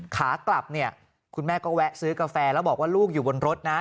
ขากลับเนี่ยคุณแม่ก็แวะซื้อกาแฟแล้วบอกว่าลูกอยู่บนรถนะ